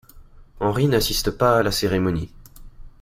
Henri n'assiste pas à la cérémonie.